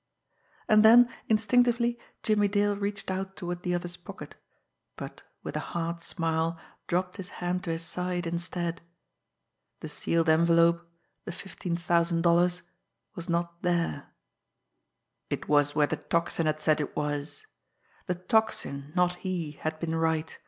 And then, instinctively, Jimmie Dale reached out toward the other's pocket; but, with a hard smile, dropped his hand to his side, instead. The sealed envelope, the fifteen thousand dollars, was not there it was where the Tocsin had said it was! The Tocsin, not he, had been right!